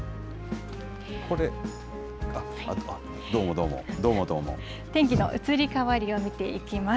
ここで、どうも、どうも、ど天気の移り変わりを見ていきます。